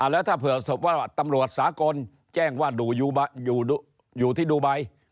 แล้วถ้าเผื่อศพว่าตำรวจสากลแจ้งว่าอยู่ที่ดูไบ